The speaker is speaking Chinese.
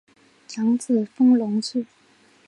长子封隆之。